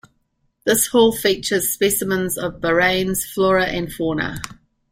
This hall features specimens of Bahrain's flora and fauna.